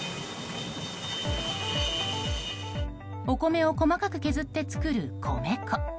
お米を細かく削って作る米粉。